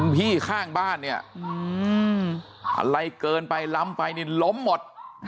พี่ข้างบ้านเนี่ยอะไรเกินไปล้ำไปนี่ล้มหมด